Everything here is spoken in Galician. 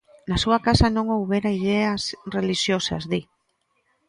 Na súa casa non houbera ideas relixiosas, di.